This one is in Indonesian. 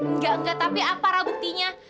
enggak enggak tapi apa ra buktinya